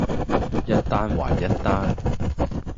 一單還一單